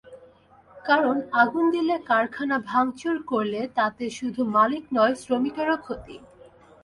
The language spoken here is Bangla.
কারণ আগুন দিলে, কারখানা ভাঙচুর করলে, তাতে শুধু মালিক নয়, শ্রমিকেরও ক্ষতি।